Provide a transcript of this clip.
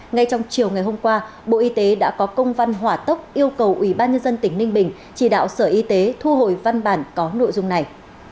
ngay trong chiều ngày hôm qua bộ y tế đã có công văn hỏa tốc yêu cầu ủy ban nhân dân tỉnh ninh bình chỉ đạo sở y tế thu hồi văn bản có nội dung này